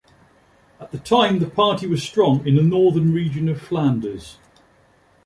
At the time, the party was strong in the northern region of Flanders.